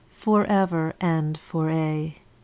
for ever and for aye.